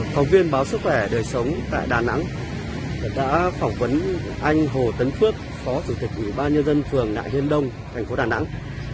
phóng viên báo sức khỏe đời sống tại đà nẵng đã phỏng vấn anh hồ tấn phước phó chủ tịch ủy ban nhân dân phường nại hiên đông thành phố đà nẵng